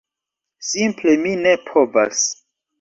Simple mi ne povas.